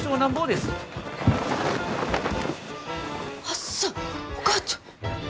はっさお母ちゃん。